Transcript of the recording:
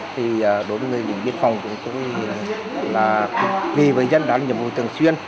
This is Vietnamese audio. thì đối với người viên viên phòng của chúng tôi là vì với dân đó là nhiệm vụ thường xuyên